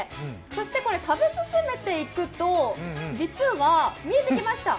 そして食べ進めていくと実は見えてきました。